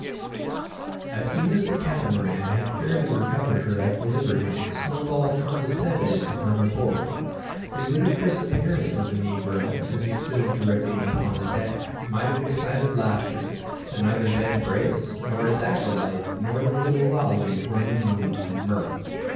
As soon as the Catamaran had fairly recovered her equilibrium, Snowball condescended to climb aboard. The ludicrous appearance of the negro, as he stood dripping upon the deck, might have excited laughter; but neither Ben Brace, nor his acolyte, nor the little Lalee, were in a mood for mirth.